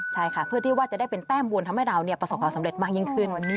ใช่ค่ะเพื่อที่ว่าจะได้เป็นแต้มบุญทำให้เราประสบความสำเร็จมากยิ่งขึ้น